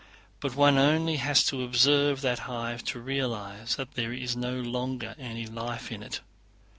But one has only to observe that hive to realize that there is no longer any life in it.